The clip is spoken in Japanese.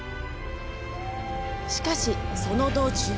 しかし、その道中。